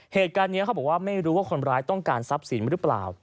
เหตุการณ์นี้เขาบอกว่าไม่รู้ว่าคนร้ายต้องการทรัพย์สินหรือเปล่า